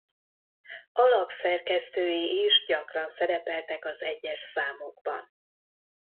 A lap szerkesztői is gyakran szerepeltek az egyes számokban.